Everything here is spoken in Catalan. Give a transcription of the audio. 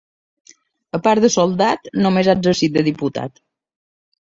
A part de soldat, només ha exercit de diputat.